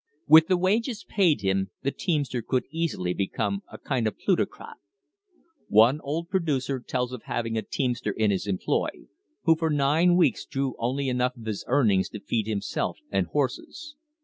With the wages paid him the teamster could easily become a kind of plutocrat. One old producer tells of having a teamster in his employ who for nine weeks drew only enough of his earnings to feed himself and horses.